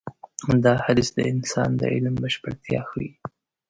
دا حديث د انسان د علم بشپړتيا ښيي.